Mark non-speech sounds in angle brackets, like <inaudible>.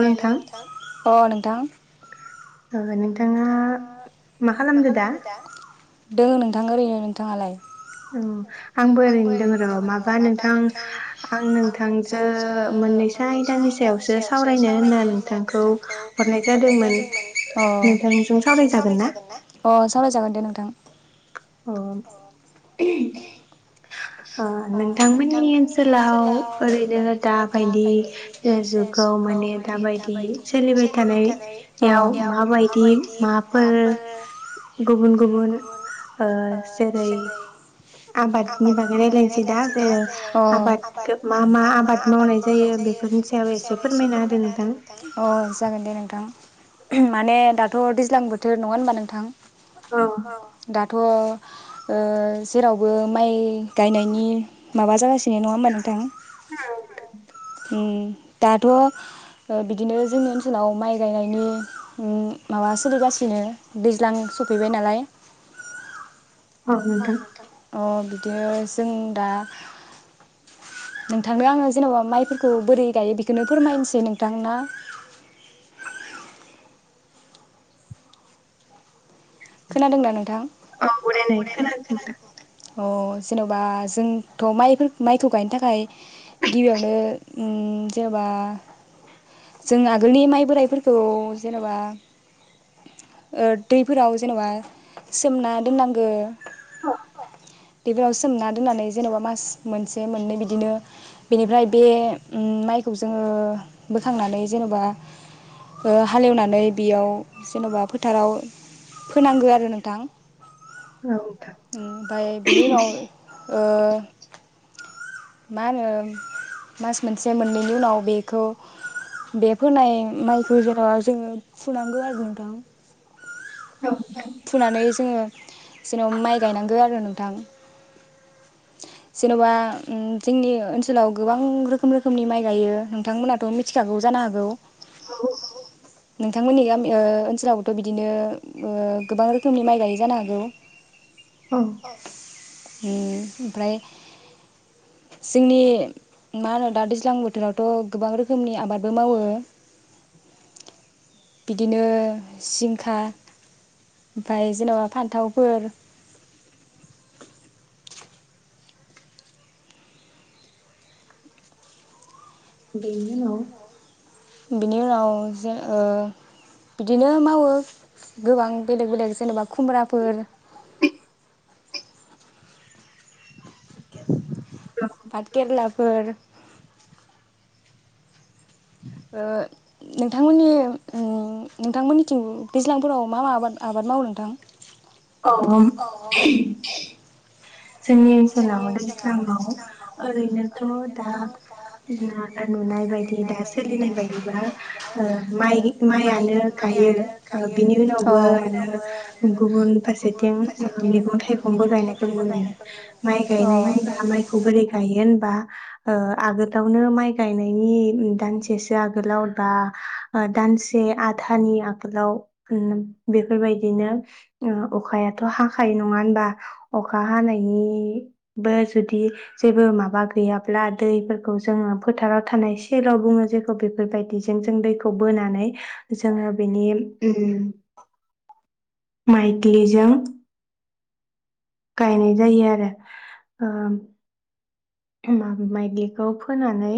हेल' नोंथां अ नोंथां अ नोंथाङा मा खालामदो दा दोङो नोंथां ओरैनो नोंथाङालाय औ आंबो ओरैनो दोङो र' माबा नोंथां आं नोंथांजो मोननैसो आयदानि सायावसो सावरायनो होनना नोंथांखौ हरनाय जादोंमोन अ नोंथांजों सावरायजागोन ना अ सावरायजागोन दे नोंथां अ <unintelligible> ओ नोंथांमोननि ओनसोलाव ओरैनो दाबायदि ओ जुगाव माने दाबायदि सोलिबाय थानाय अ याव माबायदि माबाफोर गुबुन गुबुन ओ जेरै <unintelligible> आबादनि बागै रायलायनोसै दा जोङो अ आबाद मा मा आबाद मावनाय जायो बेफोरनि सायाव एसे फोरमायना होदो नोंथां अ जागोन दे नोंथां माने दाथ' दैज्लां बोथोर नङा होनबा नोंथां औ अ दा थ' ओ जेरावबो माइ गायनायनि माबा जागासिनो नङा होमबा नोंथां <unintelligible> उम दाथ' ओ बिदिनो जोंनि ओनसोलाव माइ गायनायनि उम माबा सोलिगासिनो दैज्लां सफैबाय नालाय औ नोंथां <unintelligible> अ बि गो जों दा नोंथांनो आङो जेन'बा माइफोरखौ बोरै गायो बेखौनो फोरमायनसै नोंथां ना? खोनादोंना नोंथां औ बरायनाय खोनादों दा अ जेन'बा जोंथ' माइफोर माइखौ गायनो थाखाय गिबियावनो उम जेन'बा जों आगोलनि माइ बोराइफोरखौ जेन'बा ओ दैफोराव जेन'बा सोमना दोननांगो औ <unintelligible> सोमना दोननानै जेनेबा मास मोनसे बे मोननै बिदिनो बेनिफ्राय बे उम माइखौ जोङो बोखांनानै जेन'बा ओ हालेवनानै बेयाव जेन'बा फोथाराव फोनांगो आरो नोंथां नोंथां उम ओमफाय बिनि उनाव ओ मा होनो मास मोनसे मोननैनि उनाव बेखौ बे फोनाय माइखौ जेनावा जोङो फुनांगौ आरो नोंथां फुनानै जोङो जेनेबा माइ गायनांगो आरो नोंथां जेन'बा उम जोंनि ओनसोलाव गोबां रोखोम रोखोमनि माइ गायो नोंथांमोनाथ' मिथिखागौ जानो हागौ <unintelligible> नोंथांमोननि गामि ओ ओनसोलावबोथ' बिदिनो ओ गोबां रोखोमनि माइ गायै जानो हागौ औ अ उम ओमफ्राय जोंनि मा होनो दा दैज्लां बोथोरावथ' गोबां रोखोमनि आबादबो मावो बिदिनो जिंखा ओमफ्राय जेन'बा फान्थावफोर बेनि उनाव बिनि उनाव जो ओ बिदिनो मावो गोबां बेलेख बेलेख जेनेबा खुमब्राफोर <inaudible> बाथ खेरला फोर ओ नोंथांमोननि उम नोंथांमोननिथिं दैज्लांफोराव मा मा आबाद आबाद मावो नोंथां अ <unintelligible> जोंनि ओनसोलाव दैस्लाङाव ओरैनोथ' दा <unintelligible> नुनाय बायदि दा सोलिनाय बायदिबा ओ माइ माइयानो गायो ओ बिनि उनावबो आरो गुबुन फारसेथिं ओ मैगं थाइगंबो गायनायखौ नुनो मोनो <inaudible> माइ गायनाय होनबा माइखौ बोरै गायो बा ओ आगोलावनो माइ गायनायनि दानसेसो आगोलाव बा ओ दानसे आधानि आगोलाव ओम बेफोरबायदिनो ओम अखायाथ हाखायो नङा होनबा अखा हानाय बे बो जुदि जेबो माबा गैयाब्ला दैफोरखौ जोङो फोथाराव थानाय सेलाव बुङो जेखौ बेफोरबायदिजों जों दैखौ बोनानै जोङो बेनि उम माइग्लिजों गायनाय जायो आरो ओम मा माइग्लिखौ फोनानै